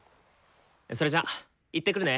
それじゃ行ってくるね。